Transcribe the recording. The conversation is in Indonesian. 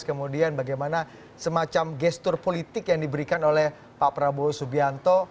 kemudian bagaimana semacam gestur politik yang diberikan oleh pak prabowo subianto